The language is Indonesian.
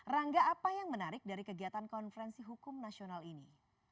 rangga apa yang menarik dari kegiatan konferensi hukum nasional ini